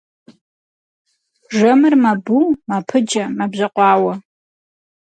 Жэмыр мэбу, мэпыджэ, мэбжьэкъуауэ.